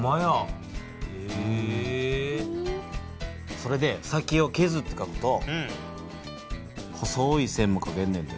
それで先をけずってかくと細い線もかけんねんで。